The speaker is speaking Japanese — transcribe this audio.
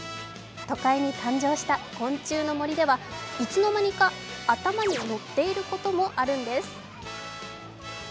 都会に誕生した昆虫の森ではいつの間にか頭に乗っていることもあるんです。